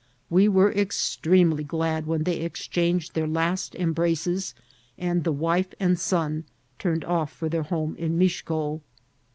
We were extremely glad when they exchanged their last em* braces, and the wife and son turned off for their home in Mixco.